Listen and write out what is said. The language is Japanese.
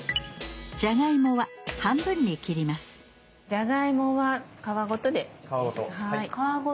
じゃがいもは皮ごとでいいです。